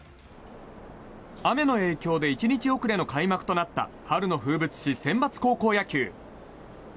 雨の影響で１日遅れの開幕となった春の風物詩、センバツ高校野球。